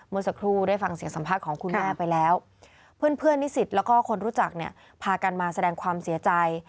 เมื่อสักครู่ได้ฟังเสียงสัมภาษณ์ของคุณแม่ไปแล้วเพื่อนนิสิตแล้วก็คนรู้จักเนี่ยพากันมาแสดงความเสียใจ